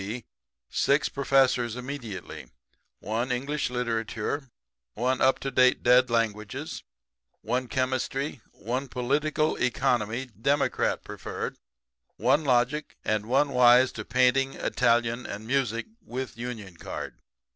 b., six professors immediately one English literature, one up to date dead languages, one chemistry, one political economy democrat preferred one logic, and one wise to painting, Italian and music, with union card.